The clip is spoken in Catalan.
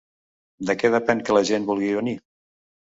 De què depèn que la gent vulgui venir?